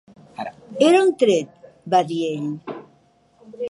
"Era un tret", va dir ell.